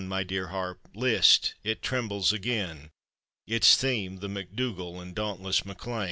my dear harp; list! it trembles again, Its theme — The MacDougall and dauntless MacLean!